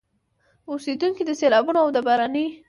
اوسېدونکي د سيلابونو او د باراني